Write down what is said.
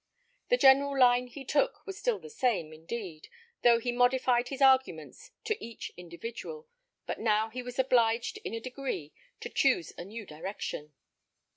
The general line he took was still the same, indeed, though he modified his arguments to each individual; but now he was obliged, in a degree, to choose a new direction.